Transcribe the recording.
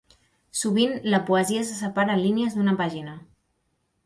Sovint la poesia se separa en línies d'una pàgina.